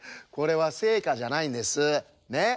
これはせいかじゃないんです。ね？